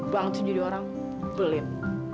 banget jadi orang belit